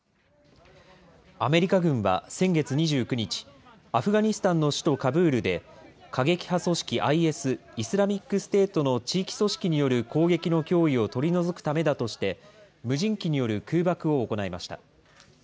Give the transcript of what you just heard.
アメリカ軍は先月２９日、アフガニスタンの首都カブールで、過激派組織ＩＳ・イスラミックステートの地域組織による攻撃の脅威を取り除くためだとして、無人機による空爆を行いました。